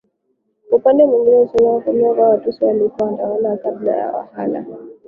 Kwa upande mwingine historia inafafanua kuwa Watusi walikuwa watawala wa kabila la Waha